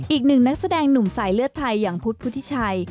อีกหนึ่งนักแสดงหนุ่มสายเลือดไทยอย่างพุทธพุทธิชัย